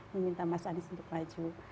meminta mas anies untuk maju